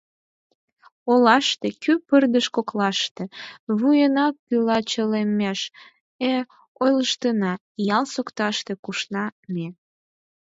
Олаште, кӱ пырдыж коклаште, вуйна кӱла чалеммеш, э, ойлыштына: ял сокташте кушна ме.